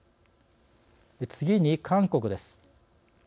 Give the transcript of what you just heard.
次に韓国です。